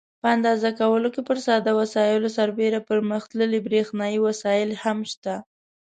په اندازه کولو کې پر ساده وسایلو سربېره پرمختللي برېښنایي وسایل هم شته.